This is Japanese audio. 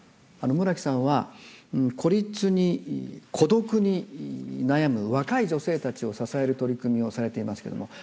村木さんは孤立に孤独に悩む若い女性たちを支える取り組みをされていますけれども。